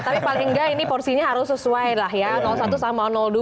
tapi paling nggak ini porsinya harus sesuai lah ya satu sama dua